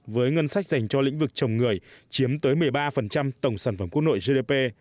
với ngân sách dành cho lĩnh vực chồng người chiếm tới một mươi ba tổng sản phẩm quốc nội gdp